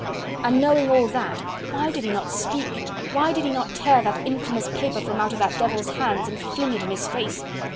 And knowing all that, why did he not speak? Why did he not tear that infamous paper from out that devil's hands and fling it in his face?